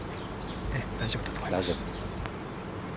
大丈夫だと思います。